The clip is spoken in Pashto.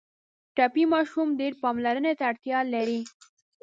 ټپي ماشوم ډېر پاملرنې ته اړتیا لري.